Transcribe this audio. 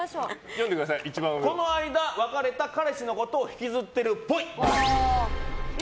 この間別れた彼氏のこと引きずってるっぽい。